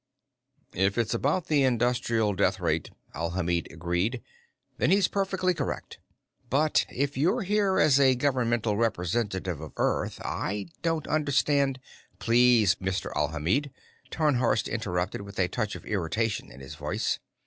"If it's about the industrial death rate," Alhamid agreed, "then he's perfectly correct. But if you're here as a governmental representative of Earth, I don't understand " "Please, Mr. Alhamid," Tarnhorst interrupted with a touch of irritation in his voice.